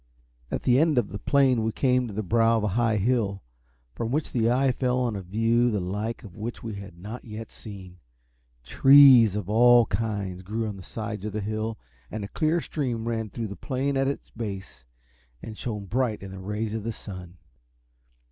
At the end of the plain we came to the brow of a high hill, from which the eye fell on a view the like of which we had not yet seen. Trees of all kinds grew on the sides of the hill, and a clear stream ran through the plain at its base, and shone bright in the rays of the sun.